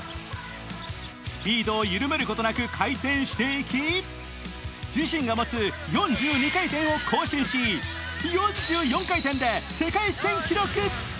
スピードを緩めることなく回転していき自身が持つ４２回転を更新し、４４回転で世界新記録。